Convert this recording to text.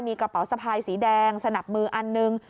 มีกระเป๋าสะพายสีแดงสนับมืออันหนึ่ง